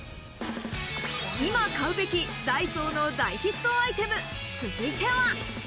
今買うべきダイソーの大ヒットアイテム、続いては。